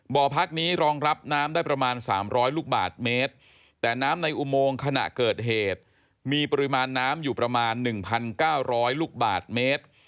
บ่อพักนี้รองรับน้ำได้ประมาณ๓๐๐ลูกบาทเมตรแต่น้ำในอุโมงขณะเกิดเหตุมีปริมาณน้ำอยู่ประมาณ๑๙๐๐ลูกบาทเมตร